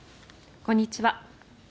こんにちは。